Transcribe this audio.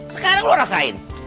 sekarang lu rasain